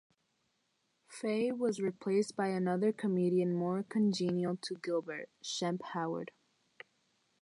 Fay was replaced by another comedian more congenial to Gilbert, Shemp Howard.